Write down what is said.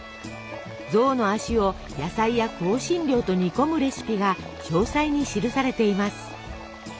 象の足を野菜や香辛料と煮込むレシピが詳細に記されています。